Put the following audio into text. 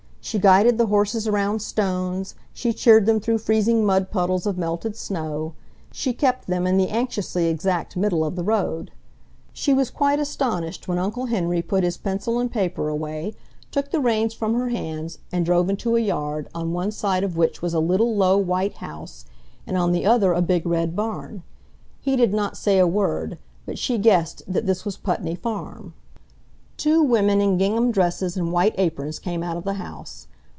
She guided the horses around stones, she cheered them through freezing mud puddles of melted snow, she kept them in the anxiously exact middle of the road. She was quite astonished when Uncle Henry put his pencil and paper away, took the reins from her hands, and drove into a yard, on one side of which was a little low white house and on the other a big red barn. He did not say a word, but she guessed that this was Putney Farm. Two women in gingham dresses and white aprons came out of the house.